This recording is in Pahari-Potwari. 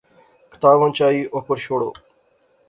کتاواں چائی اوپر شوڑو